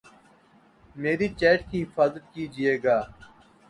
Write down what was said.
میری چیٹ کی حفاظت کیجئے گا